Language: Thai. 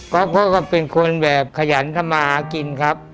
กอฟเขาก็เป็นคนแบบขยันสมากินครับ